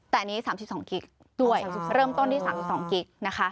แต่อันนี้๓๒กิ๊กด้วยเริ่มต้นที่๓๒กิ๊กนะคะ